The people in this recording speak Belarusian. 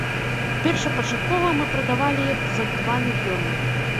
Першапачаткова мы прадавалі іх за два мільёны.